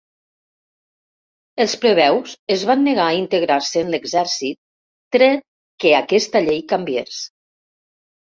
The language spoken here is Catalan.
Els plebeus es van negar a integrar-se en l'exèrcit tret que aquesta llei canviés.